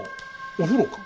お風呂か。